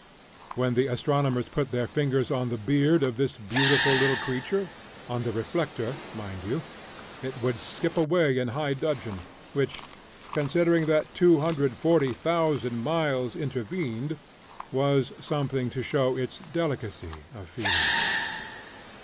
When the astronomers put their fingers on the beard of this "beautiful" little creature (on the reflector, mind you!) it would skip away in high dudgeon, which, considering that 240,000 miles intervened, was something to show its delicacy of feeling.